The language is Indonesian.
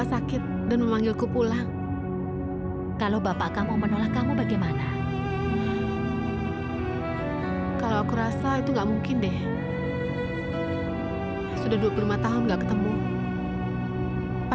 sampai jumpa di video selanjutnya